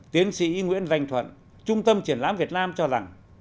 tiến sĩ nguyễn danh thuận trung tâm triển lãm việt nam cho rằng